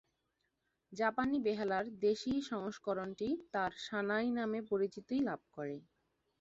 জাপানি বেহালার "দেশি" সংস্করণটি "তার সানাই" নামে পরিচিতি লাভ করে।